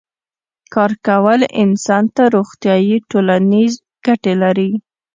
کار کول انسان ته روغتیایی او ټولنیزې ګټې لري